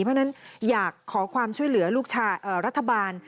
เพราะฉะนั้นอยากขอความช่วยเหลือลูกรัฐบาล